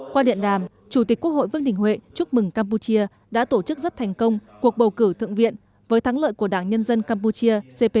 qua điện đàm chủ tịch quốc hội vương đình huệ chúc mừng campuchia đã tổ chức rất thành công cuộc bầu cử thượng viện với thắng lợi của đảng nhân dân campuchia